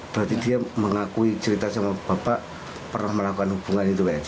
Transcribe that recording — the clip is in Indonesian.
berarti dia mengakui cerita sama bapak pernah melakukan hubungan itu pak ya